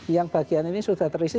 yang bagian ini sudah terisi